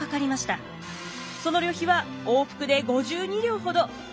その旅費は往復で５２両ほど。